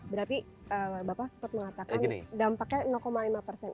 berarti bapak sempat mengatakan dampaknya lima persen